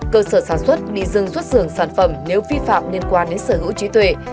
cơ sở sản xuất đi dừng xuất dường sản phẩm nếu vi phạm liên quan đến sở hữu trí tuệ